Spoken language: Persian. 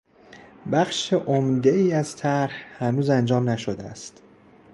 بخش عمدهای از طرح هنوز انجام نشده است.